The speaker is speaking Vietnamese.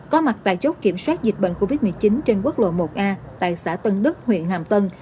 có mặt tại chốt kiểm soát dịch bệnh covid một mươi chín trên quốc lộ một a tại xã tân đức huyện hàm tân